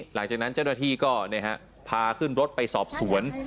หลังจากนั้นเจ้าหน้าที่ก็พาขึ้นรถไปสอบสวน